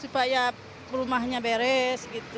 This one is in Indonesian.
supaya rumahnya beres gitu